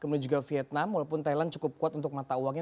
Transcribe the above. kemudian juga vietnam walaupun thailand cukup kuat untuk mata uangnya